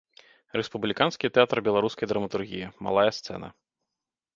Рэспубліканскі тэатр беларускай драматургіі, малая сцэна.